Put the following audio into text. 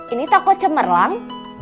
ini toko cemerlang